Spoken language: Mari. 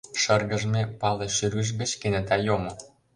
Шыргыжме пале шӱргыж гыч кенета йомо.